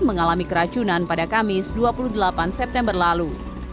mengalami keracunan pada kamis dua puluh delapan september lalu